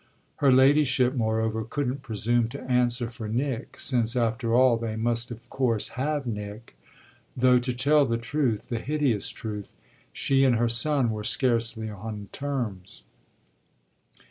Her ladyship, moreover, couldn't presume to answer for Nick, since after all they must of course have Nick, though, to tell the truth, the hideous truth, she and her son were scarcely on terms.